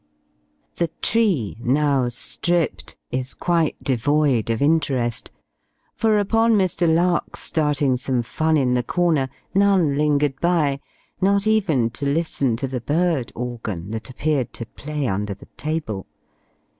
The tree, now stript, is quite devoid of interest; for, upon Mr. Lark's starting some fun in the corner, none lingered by, not even to listen to the bird organ, that appeared to play under the table.